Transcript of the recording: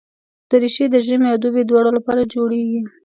دریشي د ژمي او دوبي دواړو لپاره جوړېږي.